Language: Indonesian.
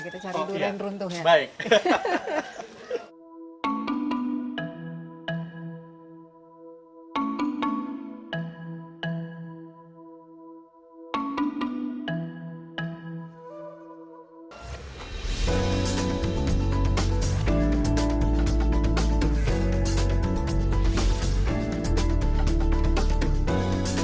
kita cari durian runtuh ya